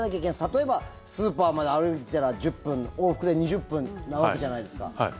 例えばスーパーまで歩いたら１０分往復で２０分なわけじゃないですか。